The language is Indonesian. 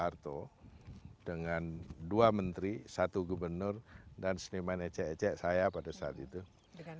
harto dengan dua menteri satu gubernur dan seniman ecek ecek saya pada saat itu dengan